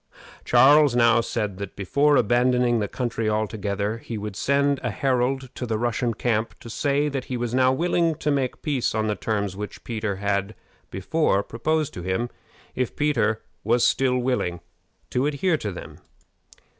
Charles now said that, before abandoning the country altogether, he would send a herald to the Russian camp to say that he was now willing to make peace on the terms which Peter had before proposed to him, if Peter was still willing to adhere to them.